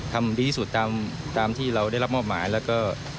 ทำดีที่สุดตามที่เราได้รับมอบหมายแล้วก็